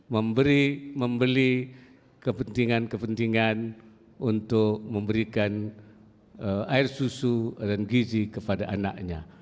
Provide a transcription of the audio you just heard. membeli kepentingan kepentingan untuk memberikan air susu dan gizi kepada anaknya